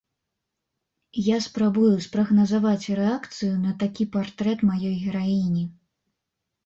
Я спрабую спрагназаваць рэакцыю на такі партрэт маёй гераіні.